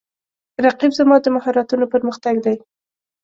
رقیب زما د مهارتونو پر مختګ دی